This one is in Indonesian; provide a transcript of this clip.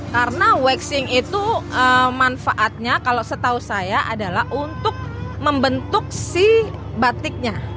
karena waxing itu manfaatnya kalau setahu saya adalah untuk membentuk si batiknya